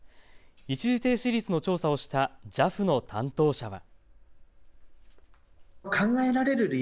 一時停止率の調査をしたＪＡＦの担当者は。